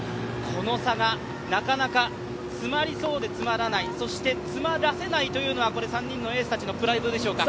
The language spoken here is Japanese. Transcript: この差がなかなか詰まりそうで詰まらない、詰まらせないというのが３人のエースたちのプライドでしょうか。